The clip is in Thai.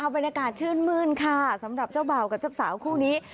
บรรยากาศชื่นมื้นค่ะสำหรับเจ้าบ่าวกับเจ้าสาวคู่นี้